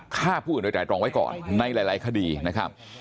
ฆ่าผู้อื่นโดยไตรรองไว้ก่อนในหลายคดีนะครับ